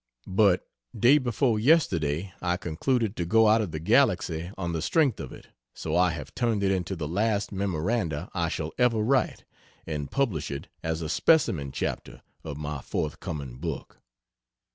But day before yesterday I concluded to go out of the Galaxy on the strength of it, so I have turned it into the last Memoranda I shall ever write, and published it as a "specimen chapter" of my forthcoming book.